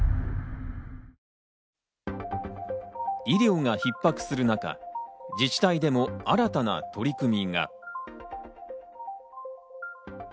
医療が逼迫する中、自治体でも新たな取り組みが。